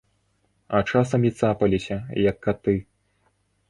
А часам і цапаліся, як каты.